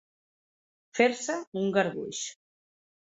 Fer-se un garbuix.